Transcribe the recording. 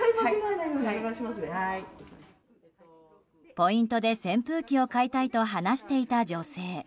ポイントで扇風機を買いたいと話していた女性。